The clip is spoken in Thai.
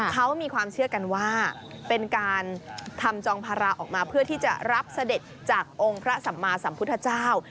เขามีความเชื่อกันว่าเป็นการทำจองภาระออกมาเพื่อที่จะรับเสด็จจากองค์พระสัมมาสัมพุทธเจ้า